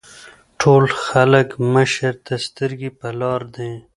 ټول خلک مشر ته سترګې پۀ لار دي ـ